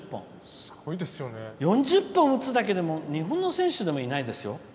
４０本打つだけでも日本の選手でもいないですよ。